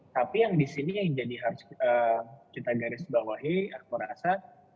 tapi yang di sini yang jadi harus kita garis bawahi aku rasa